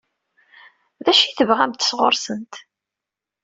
D acu i tebɣamt sɣur-sent?